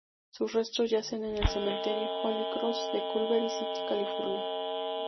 Sus restos yacen en el cementerio Holy Cross de Culver City, California.